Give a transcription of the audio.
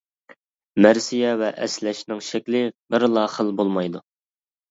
مەرسىيە ۋە ئەسلەشنىڭ شەكلى بىرلا خىل بولمايدۇ.